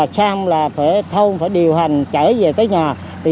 chẳng sao thấn gian điều hành được sẽ đến về chị trẻ